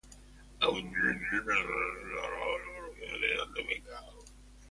A continuación el personal que trabajó en la producción de "Santo pecado".